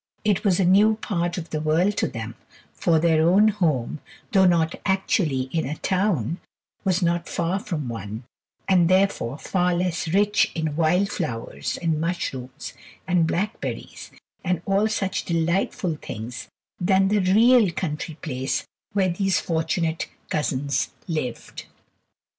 It was a new part of the world to them, for their own home, though not actually in a town, was not far from one, and therefore far less rich in wild flowers and mushrooms and blackberries, and all such delightful things than the real country place where these fortunate cousins lived.